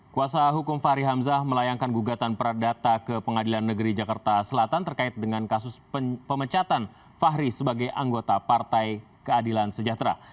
kuasa hukum fahri hamzah melayangkan gugatan perdata ke pengadilan negeri jakarta selatan terkait dengan kasus pemecatan fahri sebagai anggota partai keadilan sejahtera